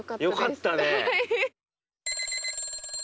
よかったね。